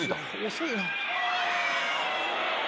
遅いな。